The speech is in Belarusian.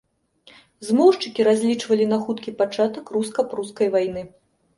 Змоўшчыкі разлічвалі на хуткі пачатак руска-прускай вайны.